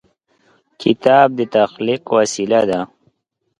کتاب د تخلیق وسیله ده.